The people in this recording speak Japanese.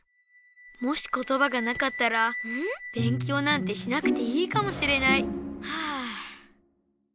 もし言葉がなかったら勉強なんてしなくていいかもしれないはぁ！